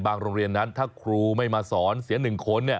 โรงเรียนนั้นถ้าครูไม่มาสอนเสีย๑คน